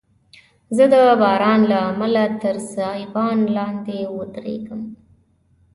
زه د باران له امله تر سایبان لاندي ودریدم.